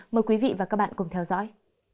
mời quý vị và các bạn cùng theo dõi